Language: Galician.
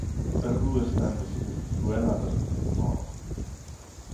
A rúa esténdese desde Fruela ata a Estación do Norte.